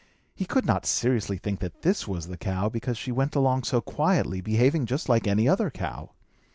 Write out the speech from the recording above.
He could not seriously think that this was the cow, because she went along so quietly, behaving just like any other cow.